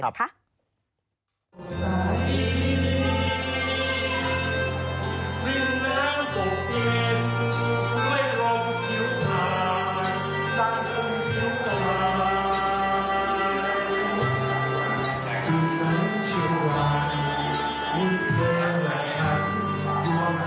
คืนนั้นช่วงวันมีเธอแหละฉันรวมสำคัญเล่นหวีนัก